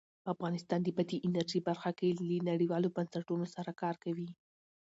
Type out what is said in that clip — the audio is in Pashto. افغانستان د بادي انرژي برخه کې له نړیوالو بنسټونو سره کار کوي.